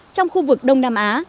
trong khu vực đông nam á